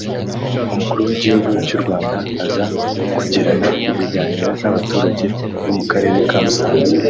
Umukuru w’igihugu cy’ u Rwanda aza kugirana ibiganiro n’abaturage bo mu karere ka Musanze